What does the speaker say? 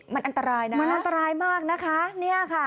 มันอันตรายนะมันอันตรายมากนะคะ